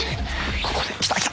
ここで。来た。来た。